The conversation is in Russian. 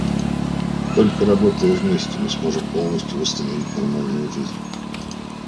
Только работая вместе, мы сможем полностью восстановить нормальную жизнь.